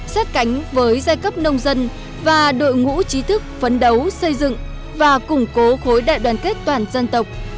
sát cánh với giai cấp nông dân và đội ngũ trí thức phấn đấu xây dựng và củng cố khối đại đoàn kết toàn dân tộc